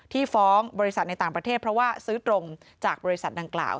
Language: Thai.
ที่ฟ้องบริษัทในต่างประเทศเพราะว่าซื้อตรงจากบริษัทดังกล่าว